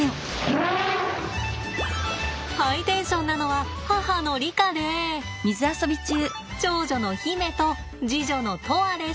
ハイテンションなのは母のリカで長女の媛と次女の砥愛です。